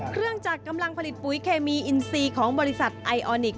เครื่องจักรกำลังผลิตปุ๋ยเคมีอินซีของบริษัทไอออนิค